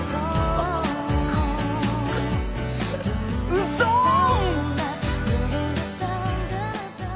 うそん！